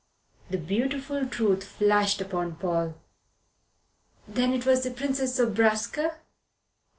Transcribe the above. The beautiful truth flashed upon Paul. "Then it was the Princess Zobraska."